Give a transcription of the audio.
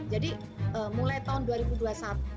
jadi mulai tahun dua ribu dua puluh satu